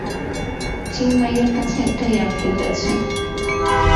চিং মাইয়ের কাছে একটা এয়ারফিল্ড আছে।